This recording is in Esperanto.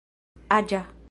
aĝa